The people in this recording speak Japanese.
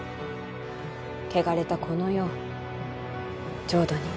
汚れたこの世を浄土に。